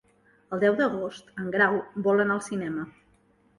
El deu d'agost en Grau vol anar al cinema.